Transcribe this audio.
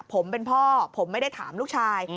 ผมเป็นพ่อผมไม่ได้ถามลูกชาย